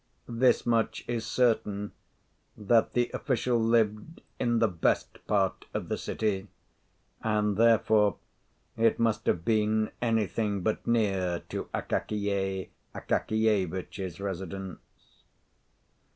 This much is certain, that the official lived in the best part of the city; and therefore it must have been anything but near to Akakiy Akakievitch's residence.